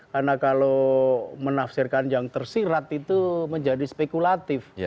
karena kalau menafsirkan yang tersirat itu menjadi spekulatif